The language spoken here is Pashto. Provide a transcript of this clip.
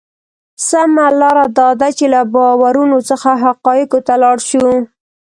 سمه لار دا ده چې له باورونو څخه حقایقو ته لاړ شو.